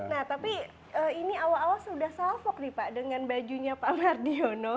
nah tapi ini awal awal sudah salvok nih pak dengan bajunya pak mardiono